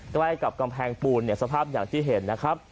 ใกล้กับกำแพงปูนเนี่ยสภาพอย่างที่เห็นนะครับ